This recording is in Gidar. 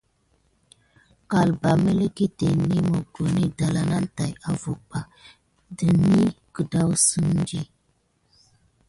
Kalbà meleketeni mqkuta dala ma taki avonba demi ke dansikiles.